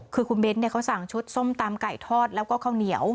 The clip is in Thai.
คือคุณเบ้นเขาสั่งชุดส้มตำไก่ทอดแล้วก็ข้าวเหนียว